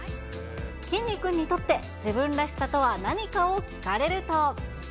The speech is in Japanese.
きんに君にとって自分らしさとは何かを聞かれると。